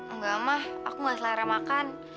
enggak mah aku gak selera makan